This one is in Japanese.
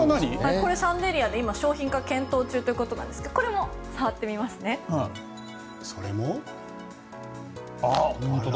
これはシャンデリアで商品化を検討中ということですが本当だ。